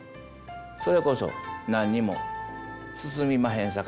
それこそ何にも進みまへん